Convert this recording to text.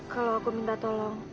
kalau aku minta tolong